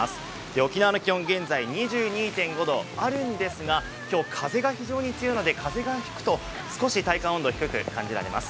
沖縄の気温、現在２２．５度あるんですが、今日、風が非常に強いので、風が吹くと少し体感温度低く感じられます。